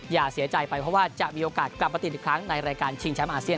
อย่าเสียใจไปเพราะว่าจะมีโอกาสกลับมาติดอีกครั้งในรายการชิงแชมป์อาเซียน